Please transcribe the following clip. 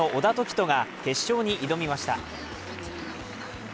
人が決勝に挑みました。